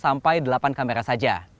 sampai delapan kamera saja